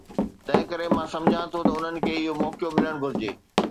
تنهنڪري مان سمجهان ٿو ته انهن کي اهو موقعو ملڻ گهرجي.